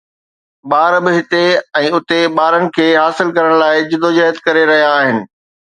ٻار به هتي ۽ اتي ٻارن کي حاصل ڪرڻ لاء جدوجهد ڪري رهيا آهن